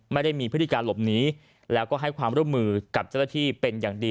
ไม่ได้มีพฤติการหลบหนีแล้วก็ให้ความร่วมมือกับเจ้าหน้าที่เป็นอย่างดี